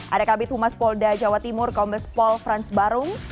ada kabit humas polda jawa timur kombes pol frans barung